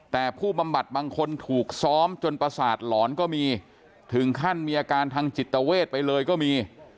แต่ผู้บำบัดบางคนถูกซ้อมจนประสาทหลอนก็มีถึงขั้นมีอาการทางจิตเวทไปเลยก็มี